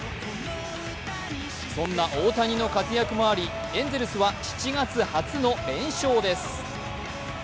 そんな大谷の活躍もありエンゼルスは７月初の連勝です。